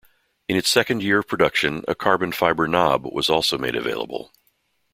In its second year of production, a carbon fibre knob was also made available.